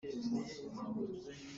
Na pa rian zeidah a si?